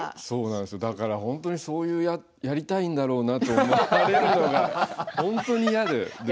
だから本当にそういう、やりたいんだろうなと思われるのが本当に嫌で。